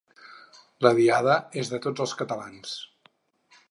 La diada és de tots els catalans.